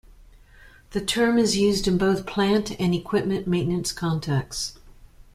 The term is used in both plant and equipment maintenance contexts.